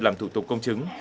làm thủ tục công chứng